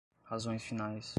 razões finais